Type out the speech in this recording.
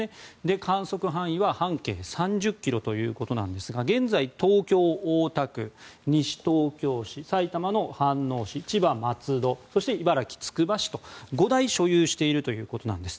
観測範囲は半径３０ｋｍということですが現在、東京・大田区、西東京市埼玉の飯能市、千葉の松戸市茨城・つくば市と５台所有しているということです。